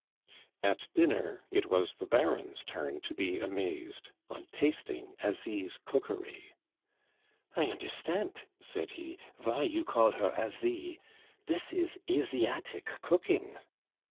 At dinner it was the Baron's turn to be amazed on tasting Asie's cookery. "I understant," said he, "vy you call her Asie; dis is Asiatic cooking."